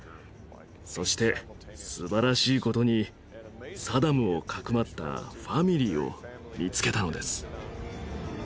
そしてすばらしい事にサダムをかくまったファミリーを見つけたのです。